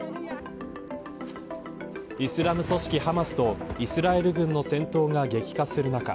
イスラム組織ハマスとイスラエル軍の戦闘が激化する中